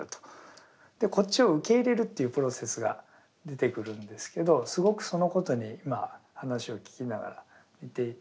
こっちを受け入れるというプロセスが出てくるんですけどすごくそのことに今話を聞きながら似ていて。